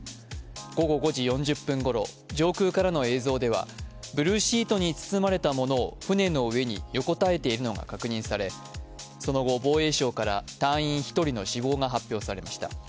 午後５時４０分ごろ、上空からの映像ではブルーシートに包まれたものを船の上に横たえているのが確認されその後、防衛省から隊員１人の死亡が発表されました。